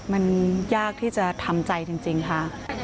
มันยากที่จะทำใจจริงค่ะ